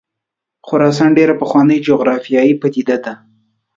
خراسان ډېره پخوانۍ جغرافیایي پدیده ده.